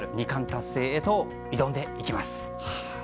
２冠達成へと挑んでいきます。